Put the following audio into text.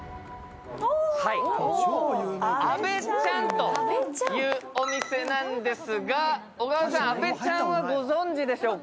あべちゃんというお店なんですが、小川さん、あべちゃんはご存じでしょうか？